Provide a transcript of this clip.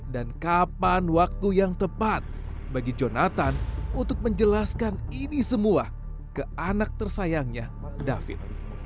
dan kapan waktu yang tepat bagi jonathan untuk menjelaskan ini semua ke anak tersayangnya david